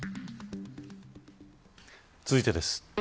続いてです。